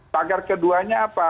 pagar keduanya apa